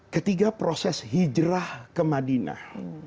ketiga proses hijrah ke madinah